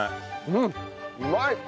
うんうまい！